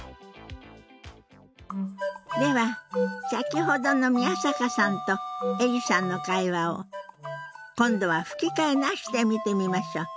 では先ほどの宮坂さんとエリさんの会話を今度は吹き替えなしで見てみましょう。